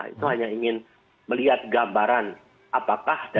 itu hanya ingin melihat gambaran apakah